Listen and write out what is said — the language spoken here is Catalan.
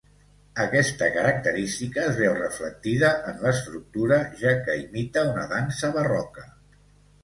Aquesta característica es veu reflectida en l'estructura, ja que imita una dansa barroca.